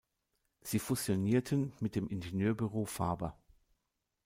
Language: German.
Sie fusionierten mit dem Ingenieurbüro Faber.